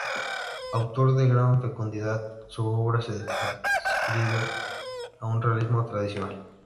Autor de gran fecundidad, su obra se adscribe a un realismo tradicional.